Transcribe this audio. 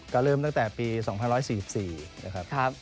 ก็เริ่มตั้งแต่ปี๒๔๔นะครับ